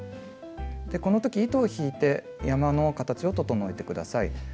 この時糸を引いて山の形を整えて下さい。